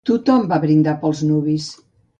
Tothom va brindar pels nuvis.